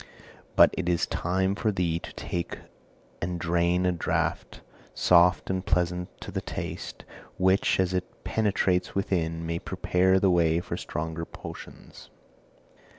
But it is time for thee to take and drain a draught, soft and pleasant to the taste, which, as it penetrates within, may prepare the way for stronger potions.